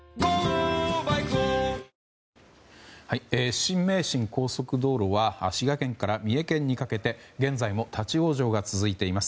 新名神高速道路は滋賀県から三重県にかけて現在も立ち往生が続いています。